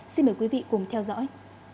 xin mời quý vị cùng theo dõi